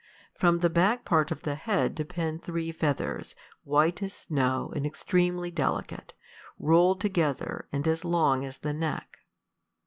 From the back part of the head depend three feathers, white as snow and extremely delicate, rolled together, and as long as the neck.